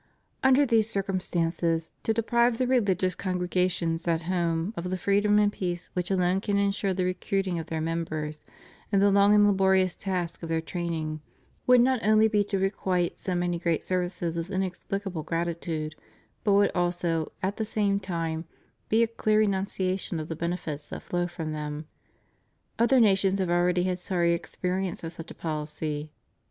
Under these circumstances, to deprive the religious congregations at home of the freedom and peace which alone can ensure the recruiting of their members and the long and laborious task of their training would not only be to requite so many great services with inexpHcable ingratitude, but would also, at the same time, be a clear renunciation of the benefits that flow from them. Other nations have already had sorry experience of such a policy.